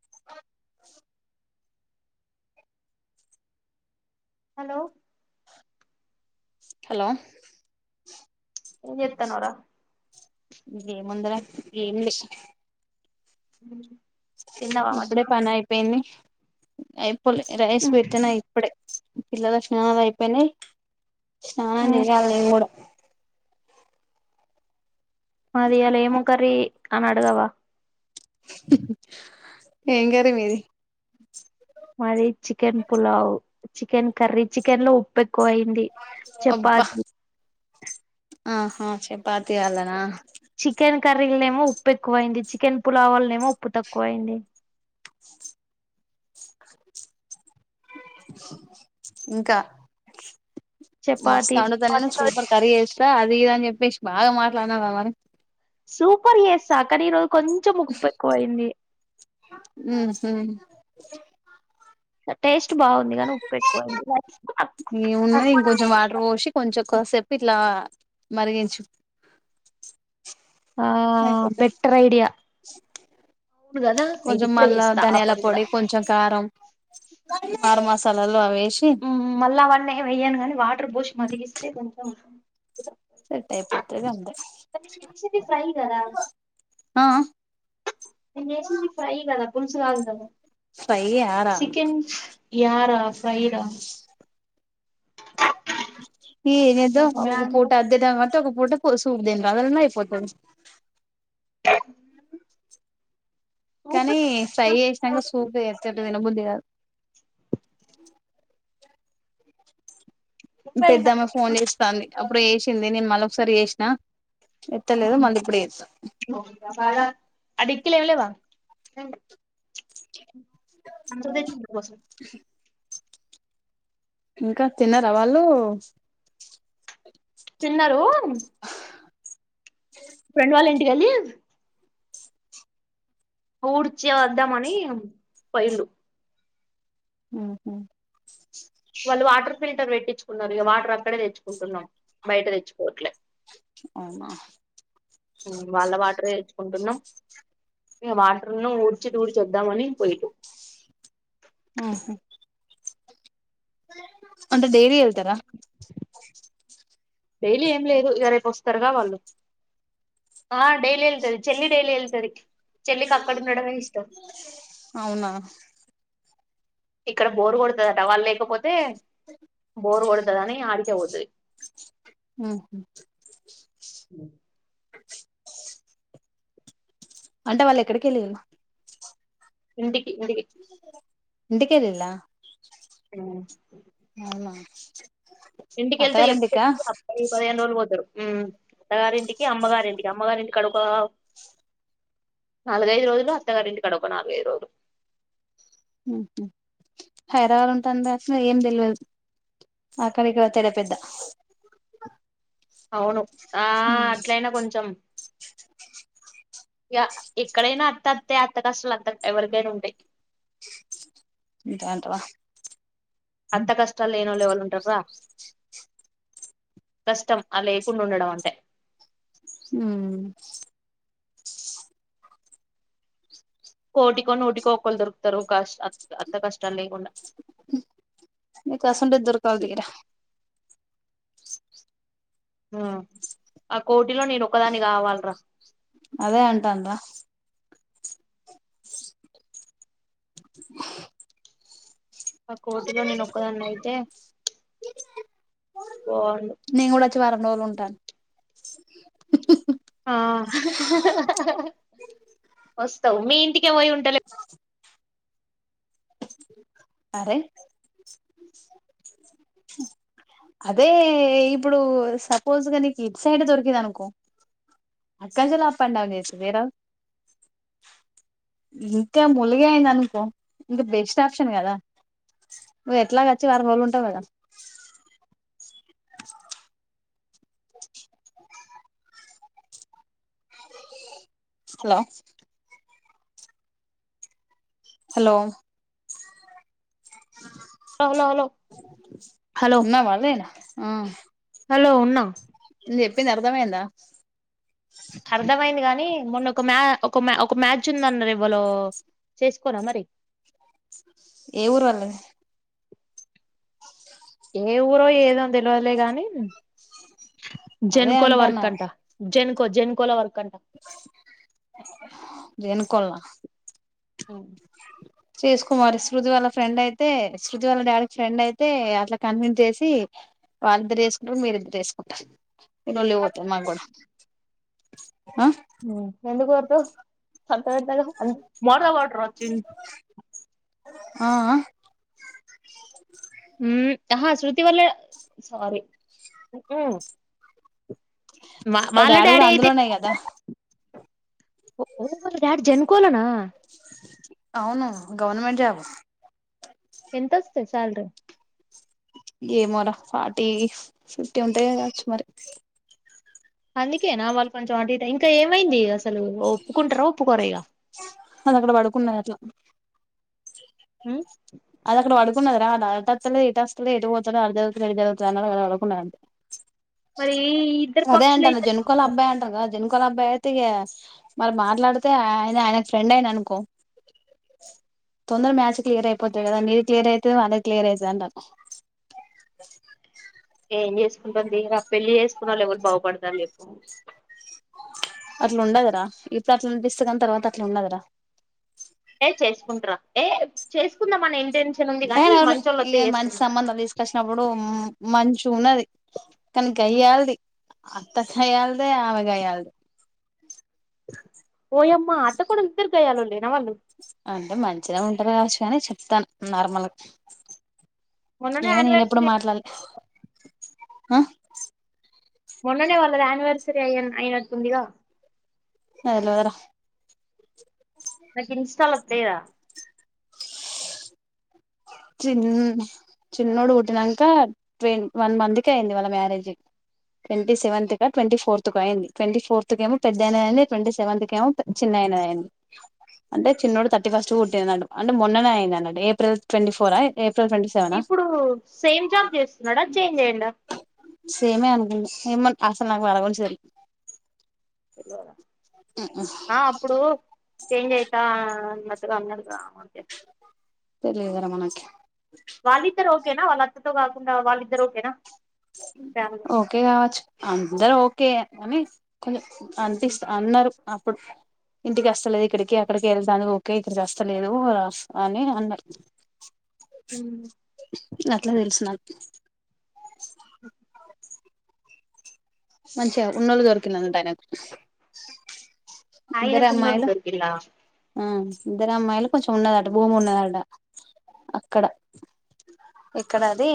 [unintelligible] Hello hello ఏం చేత్తన్నావ్ రా ఇక ఎముంది రా ఇలీష్ ఉ ఇప్పుడే పనియిపోయింది అయి పోల్ రైస్ పెట్టినా ఇప్పుడే పిల్లలక్షణలో అయిపోయినాయి స్నానం చేయాలె నేను కుడా అది ఇయాల ఏము కర్రీ అని అడగావా ఏం గర్రీ మీది మాది chicken pulao chicken curry chicken లో ఉప్పె ఎక్కువ అయింది అబ్బా చెపాతీ ఆహా చెపాతీ ఇయ్యాలన కర్రీలోనేమో ఉప్పు ఎక్కువయింది చికెన్ పులావలనే ఏమో ఉప్పు తక్కువ అయింది ఇంకా మస్త చపాతి అండుతా నేను చపాతితో సూపర్ కర్రీ చేస్తా అ అది ఇది అని చెప్పేసి బాగా మాట్లాడినవ్ గా మరి సూపర్ చేస్తా కర్రీ ఇరో కొంచెం ఉప్పు ఎక్కువైయింది ఉహు టేష్ ఈ ఉన్నాయి ఇంకొంచెం వాటర్ పోసి కొంచెం కోసేపు ఇట్లా మరిగించు ఆ బెటర్ ఐడియా అవును కదా అయితే కొంచెం ఇప్పుడే మల్లా చేస్తా ఆ ధనియాల పని కూడా పొడి కొంచెం కారం [inaudible] మాస్ సాలాలు అవే ఉమ్ మళ్ళా అవన్నీ ఏం వెయ్యను గానీ వాటర్ పోష్ మరిగిస్తే కొంచెం అ కానీ నేను చేసింది ఫ్రై కదా ఆ నేను చేసింది ఫ్రై కదా పులుసు కాదు కదా ఫ్రై చేయారా చికెన్ యా రా ఫ్రై రా ఈ ఏదో ఒక పూట అది తెద్దాం అంటే ఒక పూట పో సూపు తిందదన్న అయిపోతది కానీ సూపర్ ఫ్రై చేసినంక సూపు చేస్తే ఎట్ట తినబుద్ధి కాదు పెద్దమ్మ ఫోన్ చేస్తాంది ఇప్పుడు చేసింది నేను మళ్ళొకసారి చేసినా ఎత్తలేదు మళ్ళీ ఇప్పుడు చేస్తా [unintelligible] అదిత్తి లేవలేవా [unintelligible] ఎంత తెచ్చింటివి అస్సలు ఇంకా తిన్నారా వాళ్ళు తిన్నారూ ఫ్రెండ్ వాళ్ళింటి ఎల్లి ఊడ్చి వద్దాం అని పోయిళ్ళు హ్మ్ హు వాళ్ళు వాటర్ ఫిల్టర్ పెట్టిచ్చుకున్నారు ఇగ వాటర్ అక్కడే తెచ్చుకుంటున్నాం బయట తెచ్చుకోవట్లే అవునా వాళ్ళ వాటరె తెచ్చుకుంటున్నాం ఇగ వాటర్ ను ఊడ్చి తూడ్చి వద్దామని పొయిల్లు ఆహా అంటే డైలీ వెళ్తారా డైలీ ఏం లేదు ఇగ రేపు వస్తారుగా వాళ్ళు ఆ డైలీ వెళ్తది చెల్లి డైలీ వెళ్తది చెల్లికి అక్కడ ఉండడమే ఇష్టం అవునా ఇక్కడ బోరు కొడతదట వాళ్ళు లేకపోతే బోరు కొడతదని ఆడికే పోతది మ్మ్ అంటే వాళ్ళు ఎక్కడికెళ్ళిర్రు ఇంటి [unintelligible] ఇంటికెలిల్లా ఊ ఇంటికెళ్తే ఎప్పుడు అత్తగారింటికా [inaudible] పదిహేను రోజులు పోతారు ఉమ్ అత్తగారింటి కి అమ్మవారింటికి అమ్మవారింటి కాడు నాలుగైదు రోజులు అత్తగారింటికాడ ఒక నాలుగైదు రోజులు ఉహు హైదరాబాద్ ఉంటాందా అసలు ఏం తెల్వదు అక్కడి కేతేదో పెద్ద అవును ఆ అట్లయినా కొంచెం య ఇక్కడైనా తత్తే అత్త కష్టలు అంత ఎవరికైనా ఉంటయ్ ఉంటాయంటవా అంత కష్టాలు లేనోళ్లు ఎవళ్ళుంటార్రా కష్టం ఆ లేకుండుండడం అంటే ఊ కోటికో నూటికో ఒకళ్ళు దొరుకుతారు కాష్ అ హ్ మీ కోసం దొరకాలదిరా ఆ కోటిలో నేను ఒకదాని కావాలిరా అదే అంటాండ్రా ఆ కోటిలో నేను ఒక్కదాన్ని అయితే బాగుండు నేను కూడా వచ్చి వారం రోజులు ఉంటా ఆ వస్తావు మీఇంటి కి పోయి ఉంటలేవ్ అరే అదే ఇప్పుడు సపోజ్గా నీకు ఇట్ సైడ్ దొరికిది అనుకో, అక్కంచలో అప్ అండ్ డౌన్ చేసి వేరు ఇంకా ములిగ అయింది అనుకో ఇంగ బెస్ట్ ఆప్షన్ కదా, నువ్వు ఎట్లాగ వచ్చి వారం రోజులు ఉంటావు కదా. స్ లో హలో లౌలౌలో హలో ఉన్నావా లేనా ఆ హలో ఉన్నా నేం చెప్పింది అర్థమైందా అర్థమయింది కానీ మొన్న ఒక మ్యా ఒక మ ఒక మ్యాచ్ ఉందన్నరు ఎవలో చేసుకోరా మరి, ఏ ఊరు వాళ్లది ఏ ఊరో ఏదో తెలవదులె కానీ అదే జెన్కోలా అంటానా వర్కంట జెన్ కొజెన్ కోలా వర్కన్ వెనుకోల్లా మ్మ్ చేసుకోమరి శృతి వాళ్ళ ఫ్రెండ్ అయితే శృతి వాళ్ళ డాడీకి ఫ్రెండ్ అయితే అట్లా కన్వెన్స్ చేసి వాళ్ళిద్దరు చేసుకుంటారు మీరిద్దరు చేసుకుంటారు లొల్లి పోద్ది మా గూడా అ మ్మ్ ఎందుకొడతావ్ సం తెలియట్లేదా అం మోడదా వాటర్ వచ్చిం ఆ ఆ మ్మ్ ఆహా శృతి వాళ్ళ సారీ ఉఉమ్మ్ వ వాళ్ళ డాడీ డాడి కూడా అయితే అందులోనే కదా కొలన అవును గవర్నమెంట్ జాబు ఎంత వస్తయ్ శాలరీ ఏమోరా ఫార్టీ ఫిఫ్టీ ఉంటాయ గావచ్చు మరి అందుకే నా వాళ్ళు కొంచెం అటు ఇటు ఇంకా ఏమైంది ఇగ అసలు ఒప్పుకుంట్రా ఒప్పుకోరిగా అది అక్కడ పడుకున్నది అట్లా హ్మ్ అది అక్కడ పడుకున్నాది రా అటత్తలే ఇటస్తలే ఎటు పోతడో ఆడ చదువుతున్న ఈడ చదువుతున్న అన్నాడు ఆడ పడుకున్నడు అంతే మరీ ఈ ఇద్దరు పక్షులైతే జనుకోలబ్బాయ్ అయితే ఇగ మరి మాట్లాడితే ఆయన ఆయనకి ఫ్రెండ్ ఆయేను అనుకో తొందర మ్యాచ్ క్లియరై పోతే కదా నీది క్లియర్ అయితది వాళ్లది క్లియర్ అయితది అంటానా ఏం చేసుకుంటం తీయ్ రా పెళ్లి చేసుకునోళ్లు ఎవలు బాగుపడతాలేవ్వు అట్లా ఉండదురా ఇప్పుడు అట్లా అనిపిస్తది కానీ తర్వాత అట్లా ఉండదురా ఏ చేసుకుంట్రా ఏ చేసుకుందామనే ఇంటెన్ ఏహే నోరుమూయ్ ఇగ మంచి సంబంధం తీసుకొచ్చినప్పుడు మంచి ఉన్నది కానీ గయ్యాల్ది అత్త గయ్యాల్దే ఆమె గయ్యాల్దే ఓయమ్మ అత్తకొడళ్ళు ఇద్దరు గయ్యాలోల్లే అంటే మం చిగా ఉంట్రు గావొచ్చు గానీ చెప్తాన్న నార్మల్ మొన్ననే ఏమో నేనెప్పుడు యానివర్సరీ మాట్లాడ్లే హ మొన్ననే వాళ్ళది అనివర్సరీ అయ్యేను అయినట్టుందిగా అలోవెరా నాకు ఇన్స్టాలో లేదా చీన్ చిన్నోడు పుట్టినంక ట్వం వన్ మంత్కైయ్యింది వాళ్ళ మ్యారేజైయ్ ట్వంటీసెవెంత్ కా ట్వంటీఫోర్త్ కో అయింది ట్వంటీ ఫోర్తకేమో పెద్దాయనది అయ్యింది ట్వంటీ సెవెంత్కేమో పె చిన్నాయనది అయ్యింది అంటే చిన్నోడు థర్టీ ఫస్ట్ పుట్టింనాడు అంటే మొన్ననే అయింది అన్నట్టు ఏప్రిల్ ట్వంటీ ఫోర్ ఆ ఏప్ ఇప్పుడు సేమ్ జాబ్ చేస్తున్నాడా చేంజ్ అయ్యిండా మ్మ్ ఏమోన్ అసలు నాకు వాళ్ళ గురించి తెలీ తెల్వాదా ఆ అప్పుడు చేంజ్ అయితా అనద్ రాం గాడు తెలియదుకదరా మనకి వాళ్లిద్దర ఒకే నా వాళ్ళత్త తో కాకుండా వాళ్ళిద్దరు ఓకే నా ఓకే కావచ్చు అందరు ఓ కేే కనీ కొంచ్ అన్పిస్త్ అన్నరు అప్పుడు ఇంటికాస్ ఇక్కడికి అక్కడకి ఎళ్ళ్తాంది ఒ కే ఇక్కడికి అస్తలేదు అన్నడు అట్ల తెలుసు నాకు ఉమ్ మంచిగా ఉన్నోళ్ళు దొరికిండంట ఆయనకు ఇద్దరే ఆయనకున్నోళ్ళు అమ్మాయిలు దొరికిల్లా ఆ ఇద్దరు అమ్మాయిలు కొంచెం ఉన్నదట భూమి ఉన్నదట అక్కడ ఎక్కడ అది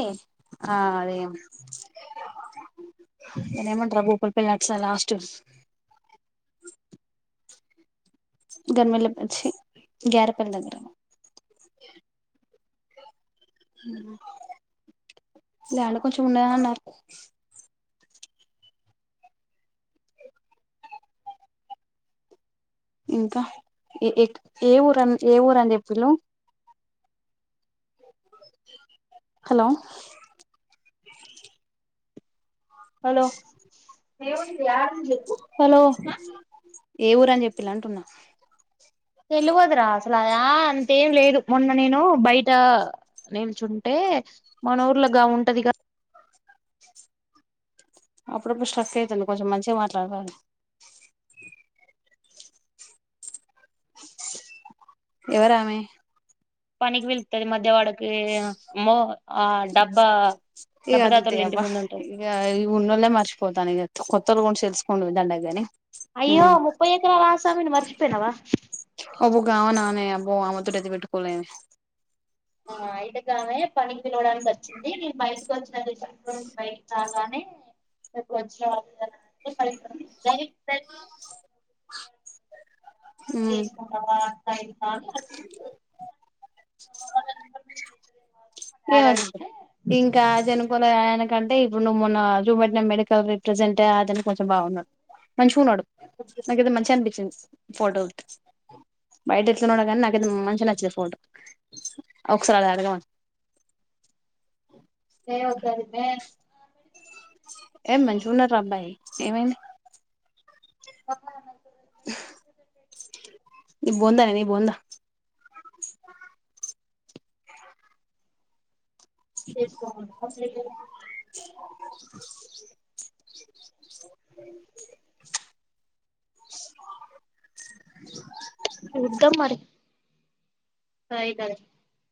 ఆ అదీ దాన్నేమంటర్రా భూపాలపల్లి అట సైడ్ లాస్ట్ గర్మిల్లప చ్చి గ్యారపల్లి దగ్గర వాళ్లే కొంచెం ఉన్నాద అన్నరు ఇంకా ఏ ఏ ఊరఆన్ ఏ ఊరని చెప్పిల్లు హలో హలో హలో ఏ ఊరు అని చెప్పిల్లు అంటున్నా తెలివదురా అసలు అది ఆ అంతేం లేదు మొన్న నేను బయట నించుంటే మన ఊర్లో గాముంటదిగ అప్పుడప్పుడు స్ట్రక్ అయితుంది కొంచెం మంచిగమాట్లాడరాదు ఎవరామే పనికి వెళ్తది మధ్య వాడకి వే ఆ మో ఇగ అద్దుతి తాతోళ్ళ ఇంటి అవ్వ ముందు ఉంటది ఇగ ఈ ఉన్నొలె మర్చపోతాన ఇగా కొత్త రూమ్ సెల్స్ కొనుడు దండగ గానీ అయ్యో ముప్పై ఎకరాల ఆసామిని మర్చిపోయినవ అబో గమనానే అబ్బో ఆమె తోటి ఐతే పెట్టుకులేమే ఆ అయితే గామె పనికి పిలవడానికి వచ్చింది నే బయటకి వచ్చినస బయకి రాగానే మీకు వచ్చిన ప [inaudible] ఉమ్ చేసుకుంటవా ఐదు సార్లు [unintelligible] ఏమద్ద లే అడిగితే ఇంకా జనపోలే అయనకంటే టే ఇప్పుడు నువ్వు మొన్న జుపెట్నమెడికల్ రిప్రజెంట్ అతనే కొంచెం బాగున్నాడు మంచిగున్నాడు నాకైతే మంచిగఅనిపిచింది ఫోటో చూత్తే బయట ఎట్లున్నడో గానీ నాకైతే మంచిగ నచ్చింద్ ఫోటో. ఒకసారి అది అడగమను. ఏ వొద్దది [inaudible] ఏ మంచిగున్నడు రా అబ్బాయి ఏమైంది. కొన్నా [inaudible] ఉమ్ బొంద నే నీ బొంద చేసుకోమను [inaudible] చూద్దాం మరి [unintelligible]